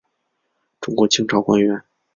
中国清朝官员。